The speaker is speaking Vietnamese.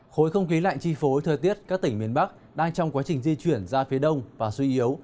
khối không khí lạnh chi phối thời tiết các tỉnh miền bắc đang trong quá trình di chuyển ra phía đông và suy yếu